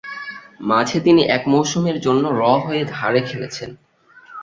মাঝে তিনি এক মৌসুমের জন্য র হয়ে ধারে খেলেছেন।